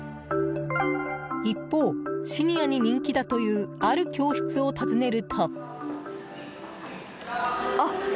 一方、シニアに人気だというある教室を訪ねると。